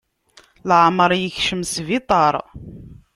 Leεmeṛ yekcem sbiṭar.